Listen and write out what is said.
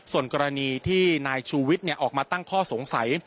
ส่วนกรณีที่นายชูวิทย์ออกมาตั้งข้อสงสัย